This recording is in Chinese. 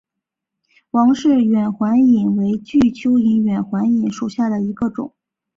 王氏远环蚓为巨蚓科远环蚓属下的一个种。